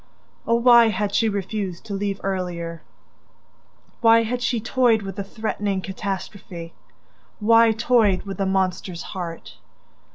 Oh, why had she refused to leave earlier? Why had she toyed with the threatening catastrophe? Why toyed with the monster's heart?